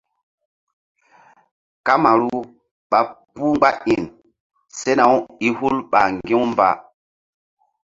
Kamaru ɓa puh mgba iŋ sena-u i hul ɓa ŋgi̧-u mba.